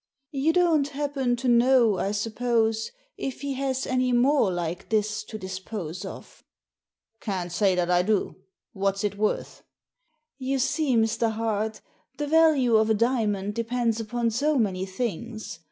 " You don't happen to know, I suppose, if he has any more like this to dispose of? "" Can't say that I do. What's it worth ?" ''You see, Mr. Hart, the value of a diamond de pends upon so many things.